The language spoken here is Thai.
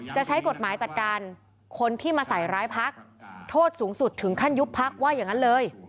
จะใช้กฎหมายจัดการคนที่มาใส่ร้ายพักโทษสูงสุดถึงขั้นยุบพักว่าอย่างนั้นเลย